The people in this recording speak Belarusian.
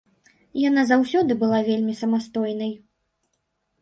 Яна заўсёды была вельмі самастойнай.